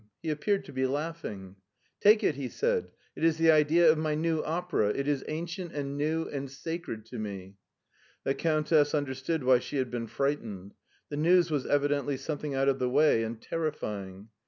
He appeared to be laughing. " Take it," he said ;" it is the idea of my new qpera ; it is ancient and new and sacred to me." The Cotmtess understood why she had been fright ened.' The news was evidently something out of the way and terrifying.